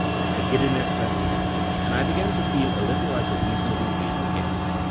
The giddiness left me, and I began to feel a little like a reasonable being again.